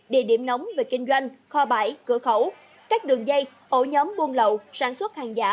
địa điểm nóng về kinh doanh kho bãi cửa khẩu các đường dây ổ nhóm buôn lậu sản xuất hàng giả